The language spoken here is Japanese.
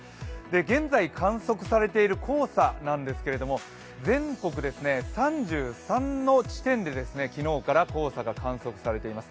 現在、観測されている黄砂なんですけど、全国３３の地点で昨日から黄砂が観測されています。